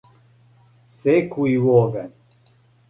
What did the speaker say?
секу и у огањ